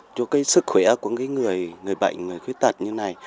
cho cái sức khỏe của cái người bệnh người khuyết tật như này